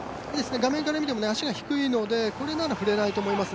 画面から見ても足が低いのでこれならふれないと思います。